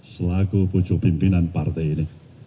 selaku pucuk pimpinan partai ini